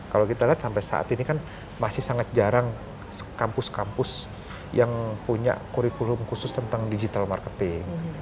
kalau kita lihat sampai saat ini kan masih sangat jarang kampus kampus yang punya kurikulum khusus tentang digital marketing